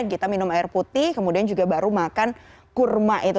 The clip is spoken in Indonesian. kita minum air putih kemudian juga baru makan kurma itu